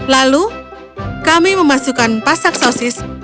lalu kami memasukkan pasak sosis